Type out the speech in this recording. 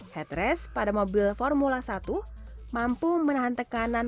headrest pada mobil formula satu mampu menahan tekanan lima puluh kn